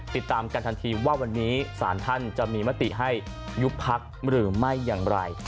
ติดตามกันทันทีว่าวันนี้สารท่านจะมีมติให้ยุบพักหรือไม่อย่างไร